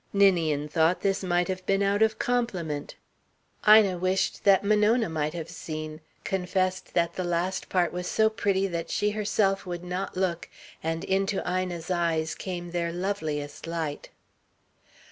Ninian thought this might have been out of compliment. Ina wished that Monona might have seen, confessed that the last part was so pretty that she herself would not look; and into Ina's eyes came their loveliest light.